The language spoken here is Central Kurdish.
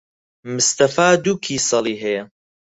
مستەفا دوو کیسەڵی ھەیە.